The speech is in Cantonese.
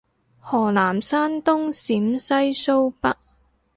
河南山東陝西蘇北